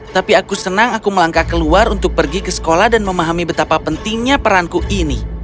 tapi aku senang aku melangkah keluar untuk pergi ke sekolah dan memahami betapa pentingnya peranku ini